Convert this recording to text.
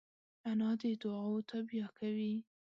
انا د دعاوو تابیا کوي